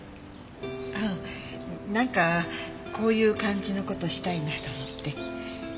ああなんかこういう感じの事したいなと思って。